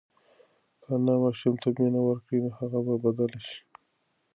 که انا ماشوم ته مینه ورکړي، هغه به بدل شي.